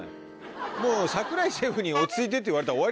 もう櫻井シェフに「落ち着いて」って言われたら終わりですよ。